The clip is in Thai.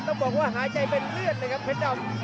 ต้องบอกว่าหายใจเป็นเลือดเลยครับเพชรดำ